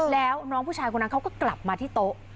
แล้วน้องผู้ชายคนนั้นเขาก็กลับมาที่โต๊ะ